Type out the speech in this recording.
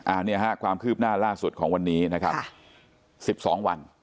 อันนี้ฮะความคืบหน้าล่าสุดของวันนี้นะครับสิบสองวัน